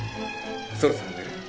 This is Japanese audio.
「そろそろ寝る？